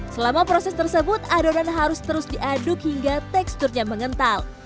selama proses tersebut adonan harus terus diaduk hingga teksturnya mengental